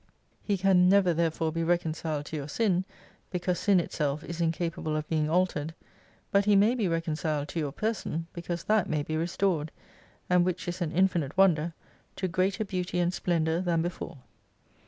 He can 102 never therefore be reconciled to your sin, because sin itself is incapable of being altered : but He may be reconciled to your person, because that maybe restored : and, which is an infinite wonder, to greater beauty and splendour than before.